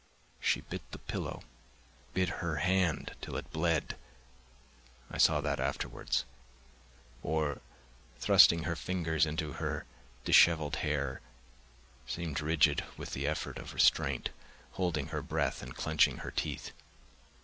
She bit the pillow, bit her hand till it bled (I saw that afterwards), or, thrusting her fingers into her dishevelled hair, seemed rigid with the effort of restraint, holding her breath and clenching her teeth.